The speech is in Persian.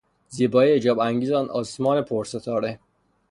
زیبایی اعجاب انگیز آن آسمان پرستاره